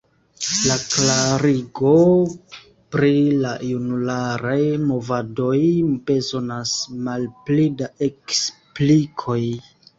La klarigo pri la junularaj movadoj bezonas malpli da eksplikoj.